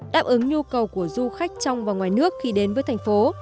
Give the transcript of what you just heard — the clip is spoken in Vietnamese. đáp ứng nhu cầu của du khách trong và ngoài nước khi đến với thành phố